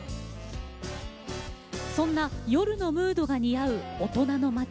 そんな夜のムードが似合う大人の街